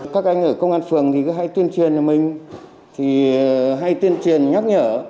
các anh ở công an phường thì cứ hay tuyên truyền cho mình hay tuyên truyền nhắc nhở